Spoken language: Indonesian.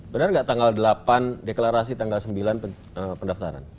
benar nggak tanggal delapan deklarasi tanggal sembilan pendaftaran